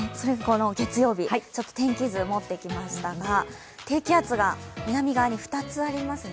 月曜日、天気図を持ってきましたが低気圧が南側に２つありますね。